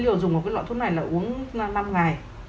một triệu dùng của cái loại thuốc này là uống năm ngày